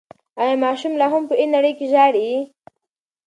ایا ماشوم لا هم په انړۍ کې ژاړي؟